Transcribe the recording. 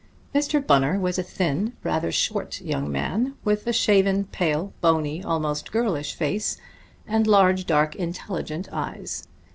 Mr. Bunner was a thin, rather short young man with a shaven, pale, bony, almost girlish face and large, dark, intelligent eyes.